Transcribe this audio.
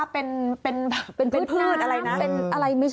เป็นผืดอะไรนะ